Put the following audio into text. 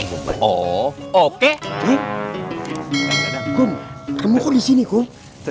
ih kang gadang kamu kok disini kok